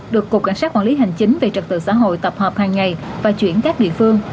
được cục cảnh sát quản lý hành chính về trật tự xã hội tập hợp hàng ngày và chuyển các địa phương